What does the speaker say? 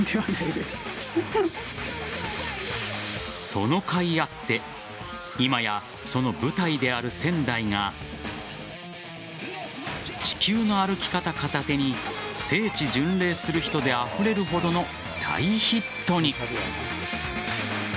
そのかいあって今やその舞台である仙台が「地球の歩き方」片手に聖地巡礼する人であふれるほどの大ヒットに。